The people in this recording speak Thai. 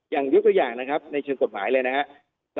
ยกตัวอย่างนะครับในเชิงกฎหมายเลยนะครับ